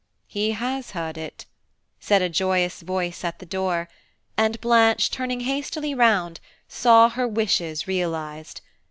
"He has heard it," said a joyous voice at the door, and Blanche, turning hastily round, saw her wishes realized.